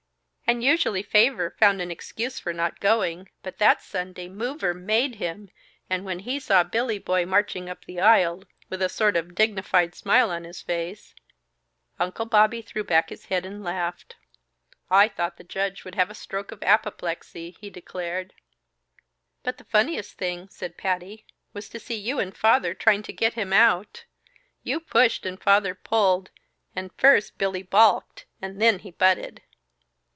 "And usually Faver found an excuse for not going, but that Sunday Mover made him, and when he saw Billy Boy marching up the aisle, with a sort of dignified smile on his face " Uncle Bobby threw back his head and laughed. "I thought the Judge would have a stroke of apoplexy!" he declared. "But the funniest thing," said Patty, "was to see you and Father trying to get him out! You pushed and Father pulled, and first Billy balked and then he butted."